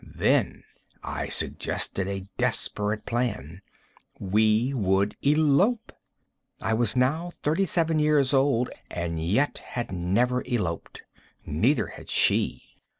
Then I suggested a desperate plan. We would elope! I was now thirty seven years old, and yet had never eloped. Neither had she.